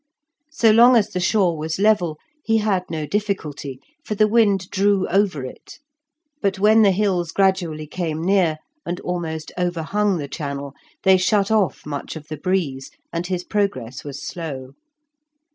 So long as the shore was level, he had no difficulty, for the wind drew over it, but when the hills gradually came near and almost overhung the channel, they shut off much of the breeze, and his progress was slow.